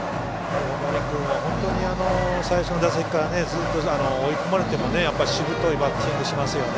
大森君は本当に最初の打席から追い込まれてもしぶといバッティングしますよね。